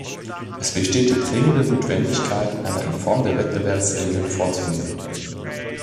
Es besteht die dringende Notwendigkeit, eine Reform der Wettbewerbsregeln vorzunehmen.